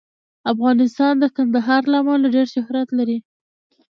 افغانستان د کندهار له امله ډېر شهرت لري.